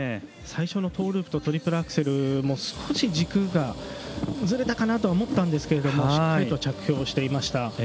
最初のトーループとトリプルアクセルも少し軸がずれたかなと思ったんですがしっかりと着氷していました。